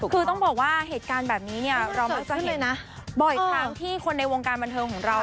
คือต้องบอกว่าเหตุการณ์แบบนี้เรามักจะเห็นนะบ่อยครั้งที่คนในวงการบันเทิงของเรา